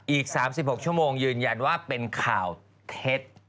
อีก๓๖ชั่วโมงยืนยันว่าเป็นข่าวเท็จ